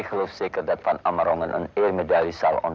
saya yakin bahwa van ammerongen akan menerima medali kemahiran